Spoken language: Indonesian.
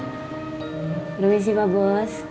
permisi pak bos